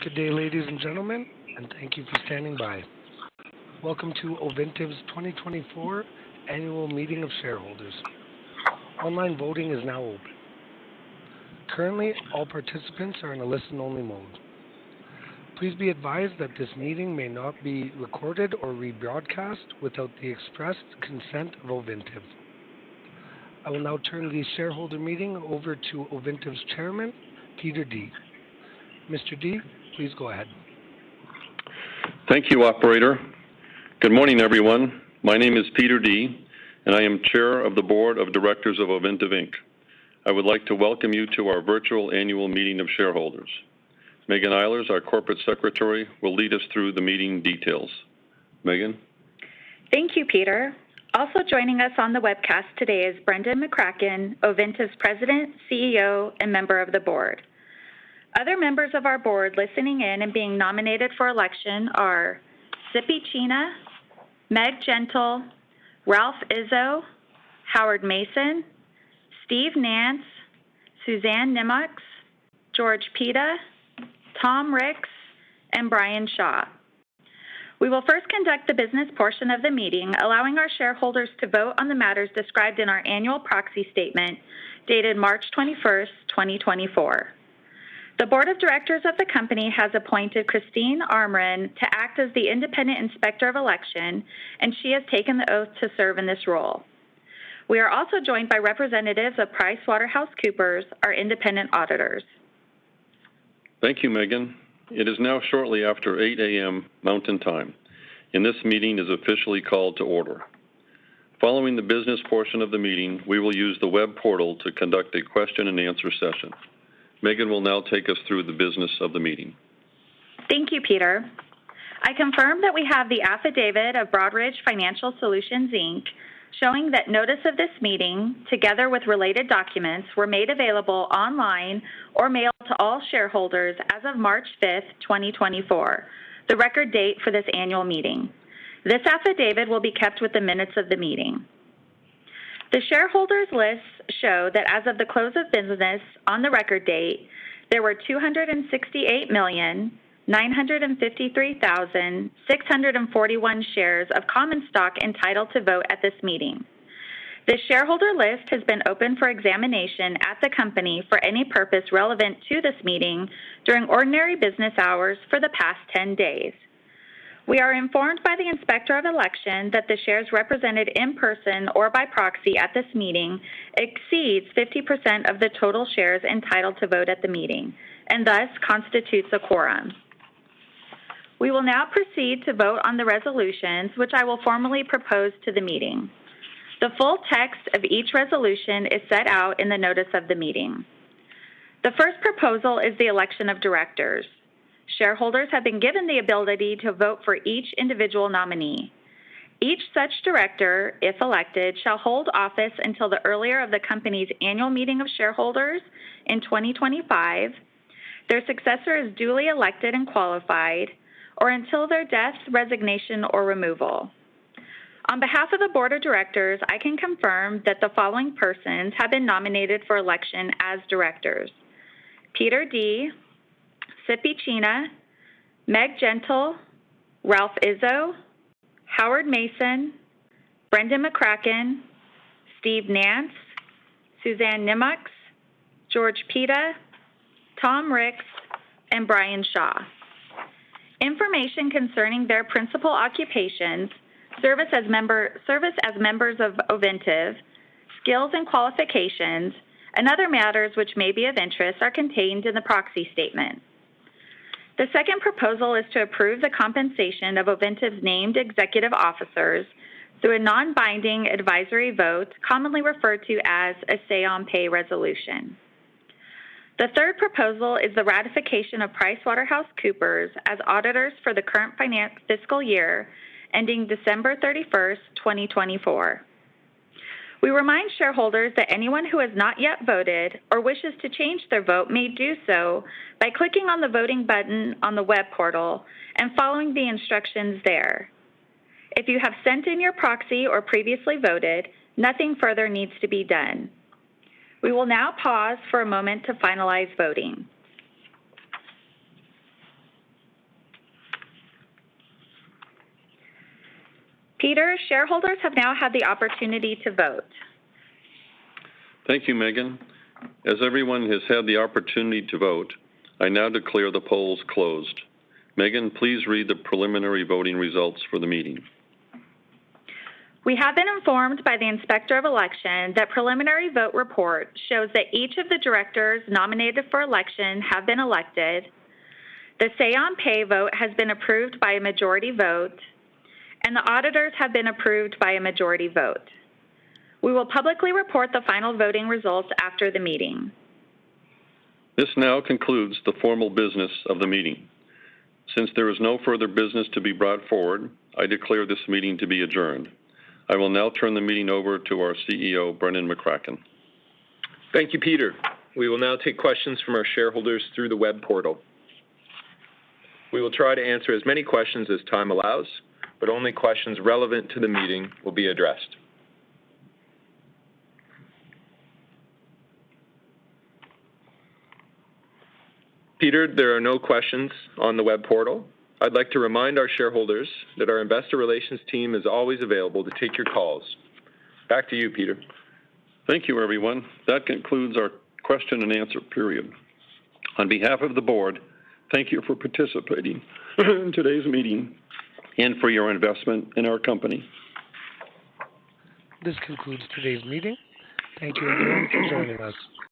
Good day, ladies and gentlemen, and thank you for standing by. Welcome to Ovintiv's 2024 Annual Meeting of Shareholders. Online voting is now open. Currently, all participants are in a listen-only mode. Please be advised that this meeting may not be recorded or rebroadcast without the express consent of Ovintiv. I will now turn the shareholder meeting over to Ovintiv's Chairman, Peter Dea. Mr. Dea, please go ahead. Thank you, operator. Good morning, everyone. My name is Peter Dea, and I am Chair of the Board of Directors of Ovintiv Inc. I would like to welcome you to our virtual annual meeting of shareholders. Meghan Eilers, our corporate secretary, will lead us through the meeting details. Meghan? Thank you, Peter. Also joining us on the webcast today is Brendan McCracken, Ovintiv's President, CEO, and member of the Board. Other members of our Board listening in and being nominated for election are Sippy Chhina, Meg Gentle, Ralph Izzo, Howard Mayson, Steven Nance, Suzanne Nimocks, George Pita, Thomas Ricks, and Brian Shaw. We will first conduct the business portion of the meeting, allowing our shareholders to vote on the matters described in our annual proxy statement, dated March 21, 2024. The board of directors of the company has appointed Christine Amren to act as the independent inspector of election, and she has taken the oath to serve in this role. We are also joined by representatives of PricewaterhouseCoopers, our independent auditors. Thank you, Meghan. It is now shortly after 8:00 A.M., Mountain Time, and this meeting is officially called to order. Following the business portion of the meeting, we will use the web portal to conduct a question-and-answer session. Meghan will now take us through the business of the meeting. Thank you, Peter. I confirm that we have the affidavit of Broadridge Financial Solutions, Inc., showing that notice of this meeting, together with related documents, were made available online or mailed to all shareholders as of March 5, 2024, the record date for this annual meeting. This affidavit will be kept with the minutes of the meeting. The shareholders' lists show that as of the close of business on the record date, there were 268,953,641 shares of common stock entitled to vote at this meeting. The shareholder list has been open for examination at the company for any purpose relevant to this meeting during ordinary business hours for the past 10 days. We are informed by the Inspector of Election that the shares represented in person or by proxy at this meeting exceeds 50% of the total shares entitled to vote at the meeting and thus constitutes a quorum. We will now proceed to vote on the resolutions, which I will formally propose to the meeting. The full text of each resolution is set out in the notice of the meeting. The first proposal is the election of directors. Shareholders have been given the ability to vote for each individual nominee. Each such director, if elected, shall hold office until the earlier of the company's annual meeting of shareholders in 2025, their successor is duly elected and qualified, or until their death, resignation, or removal. On behalf of the board of directors, I can confirm that the following persons have been nominated for election as directors: Peter Dea, Sippy Chhina, Meg Gentle, Ralph Izzo, Howard Mayson, Brendan McCracken, Steven Nance, Suzanne Nimocks, George Pita, Thomas Ricks, and Brian Shaw. Information concerning their principal occupations, service as members of Ovintiv, skills and qualifications, and other matters which may be of interest, are contained in the proxy statement. The second proposal is to approve the compensation of Ovintiv's named executive officers through a non-binding advisory vote, commonly referred to as a Say-on-Pay resolution. The third proposal is the ratification of PricewaterhouseCoopers as auditors for the current fiscal year, ending December 31, 2024. We remind shareholders that anyone who has not yet voted or wishes to change their vote may do so by clicking on the voting button on the web portal and following the instructions there. If you have sent in your proxy or previously voted, nothing further needs to be done. We will now pause for a moment to finalize voting. Peter, shareholders have now had the opportunity to vote. Thank you, Meghan. As everyone has had the opportunity to vote, I now declare the polls closed. Meghan, please read the preliminary voting results for the meeting. We have been informed by the Inspector of Election that preliminary vote report shows that each of the directors nominated for election have been elected, the Say-on-pay vote has been approved by a majority vote, and the auditors have been approved by a majority vote. We will publicly report the final voting results after the meeting. This now concludes the formal business of the meeting. Since there is no further business to be brought forward, I declare this meeting to be adjourned. I will now turn the meeting over to our CEO, Brendan McCracken. Thank you, Peter. We will now take questions from our shareholders through the web portal. We will try to answer as many questions as time allows, but only questions relevant to the meeting will be addressed. Peter, there are no questions on the web portal. I'd like to remind our shareholders that our investor relations team is always available to take your calls. Back to you, Peter. Thank you, everyone. That concludes our question-and-answer period. On behalf of the board, thank you for participating in today's meeting and for your investment in our company. This concludes today's meeting. Thank you again for joining us.